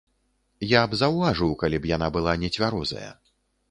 Я б заўважыў, калі б яна была нецвярозая.